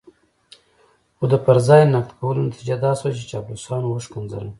خو د پر ځای نقد کولو نتيجه دا شوه چې چاپلوسانو وشکنځلم.